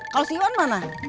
kalau si iwan mana